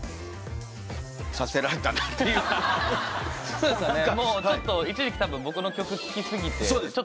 そうですよね。